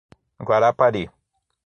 Guarapari